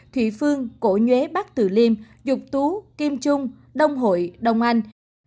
thủy phương cổ nhuế bắc tử liêm dục tú kim trung đông hội đông anh